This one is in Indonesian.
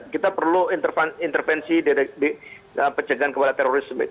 kita perlu intervensi pencegahan kepada terorisme